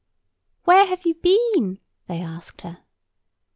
"Where have you been?" they asked her.